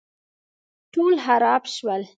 ټول خراب شول